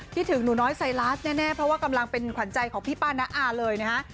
ถึงหนูน้อยไซลาสแน่เพราะว่ากำลังเป็นขวัญใจของพี่ป้าน้าอาเลยนะฮะ